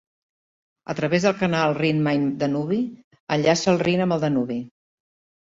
A través del canal Rin-Main-Danubi enllaça el Rin amb el Danubi.